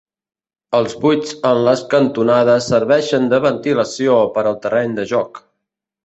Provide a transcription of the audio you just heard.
Els buits en les cantonades serveixen de ventilació per al terreny de joc.